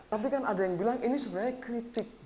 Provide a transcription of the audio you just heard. tapi kan ada yang bilang ini sebenarnya kritik